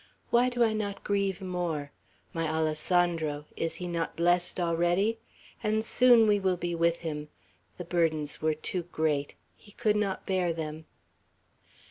Why do I not grieve more? My Alessandro! Is he not blest already? And soon we will be with him! The burdens were too great. He could not bear them!"